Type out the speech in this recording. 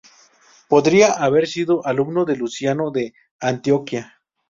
Podría haber sido alumno de Luciano de Antioquía.